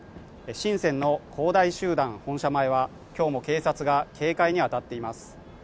深センの恒大集団本社前はきょうも警察が警戒に当たっています